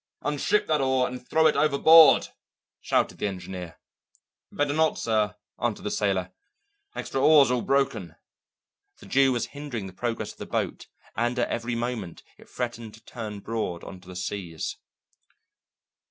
"Unship that oar and throw it overboard," shouted the engineer. "Better not, sir," answered the sailor. "Extra oars all broken." The Jew was hindering the progress of the boat and at every moment it threatened to turn broad on to the seas.